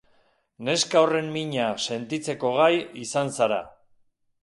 Neska horren mina sentitzeko gai izan zara.